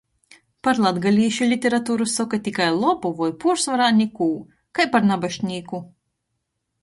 Par latgalīšu literaturu soka tikai lobu voi puorsvorā nikū – kai par nabašnīku.